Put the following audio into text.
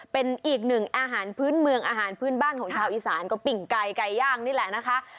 เป็นอีกหนึ่งอาหารพื้นเมืองอาหารพื้นบ้านของชาวอีสานก็ปิ้งไก่ไก่ย่างนี่แหละนะคะ